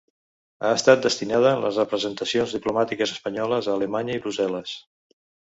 Ha estat destinada en les representacions diplomàtiques espanyoles a Alemanya i Brussel·les.